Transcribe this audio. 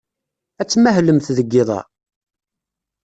Ad tmahlemt deg yiḍ-a?